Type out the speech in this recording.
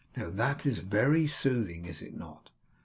Now, that is very soothing, is it not?